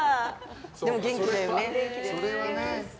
でも元気だよね。